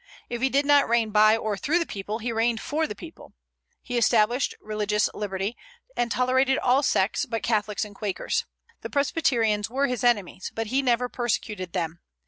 If he did not reign by or through the people, he reigned for the people. He established religious liberty, and tolerated all sects but Catholics and Quakers. The Presbyterians were his enemies, but he never persecuted them.